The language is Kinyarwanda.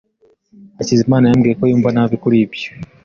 Hakizimana yambwiye ko yumva nabi kuri ibyo.